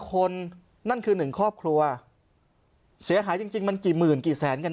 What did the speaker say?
คนนั่นคือ๑ครอบครัวเสียหายจริงมันกี่หมื่นกี่แสนกัน